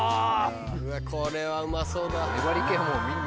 うわこれはうまそうだ。